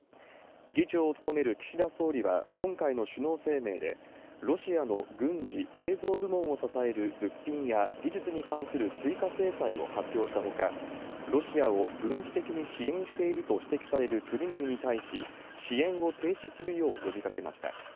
議長を務める岸田総理は、今回の首脳声明で、ロシアの軍事、製造部門を支える物品や技術に関する追加制裁を発表したほか、ロシアを軍事的に支援していると指摘される国々に対し、支援を停止するよう呼びかけました。